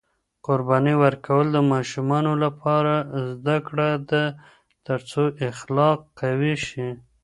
قرباني ورکول د ماشومانو لپاره زده کړه ده ترڅو اخلاق قوي شي.